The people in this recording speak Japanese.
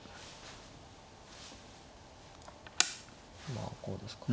まあこうですか。